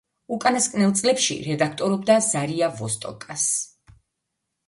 უკანასკნელ წლებში რედაქტორობდა „ზარია ვოსტოკას“.